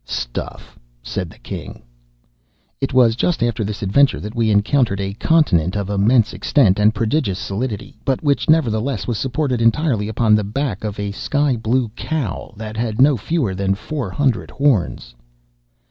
'" "Stuff!" said the king. "'It was just after this adventure that we encountered a continent of immense extent and prodigious solidity, but which, nevertheless, was supported entirely upon the back of a sky blue cow that had no fewer than four hundred horns.